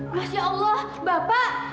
masya allah bapak